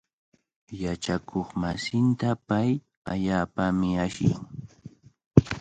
Yachakuqmasinta pay allaapami ashllin.